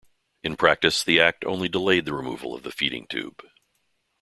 In practice, the act only delayed the removal of the feeding tube.